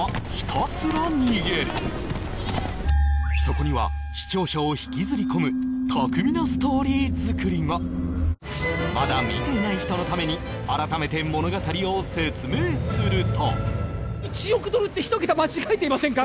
そこには視聴者を引きずり込む巧みなストーリー作りがまだ見ていない人のために改めて物語を説明すると１億ドルって一桁間違えていませんか？